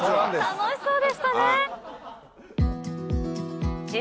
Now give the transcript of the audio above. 楽しそうでしたね。